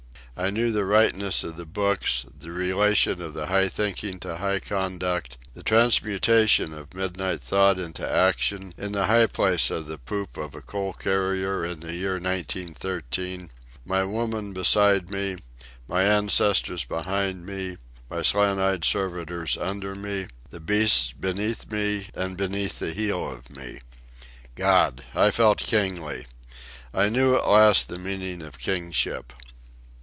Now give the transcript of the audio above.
I knew the rightness of the books, the relation of high thinking to high conduct, the transmutation of midnight thought into action in the high place on the poop of a coal carrier in the year nineteen thirteen, my woman beside me, my ancestors behind me, my slant eyed servitors under me, the beasts beneath me and beneath the heel of me. God! I felt kingly. I knew at last the meaning of kingship.